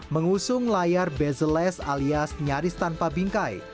mengusung layar bezel less alias nyaris tanpa bingkai